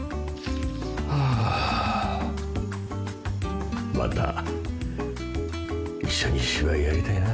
ハァまた一緒に芝居やりたいな。